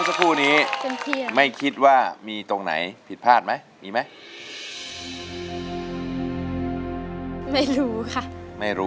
สร้างงานเมื่อบท